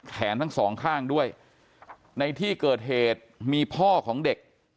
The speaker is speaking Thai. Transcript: ทั้งสองข้างด้วยในที่เกิดเหตุมีพ่อของเด็ก